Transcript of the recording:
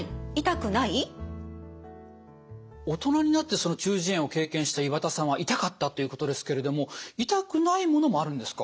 大人になってその中耳炎を経験した岩田さんは痛かったということですけれども痛くないものもあるんですか？